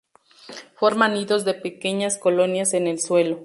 Forma nidos de pequeñas colonias en el suelo.